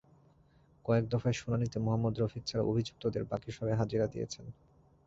কয়েক দফায় শুনানিতে মোহাম্মদ রফিক ছাড়া অভিযুক্তদের বাকি সবাই হাজিরা দিয়েছেন।